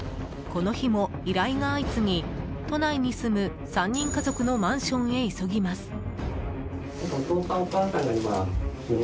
この日も依頼が相次ぎ都内に住む３人家族のマンションへ急ぎます。